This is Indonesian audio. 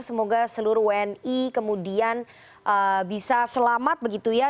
semoga seluruh wni kemudian bisa selamat begitu ya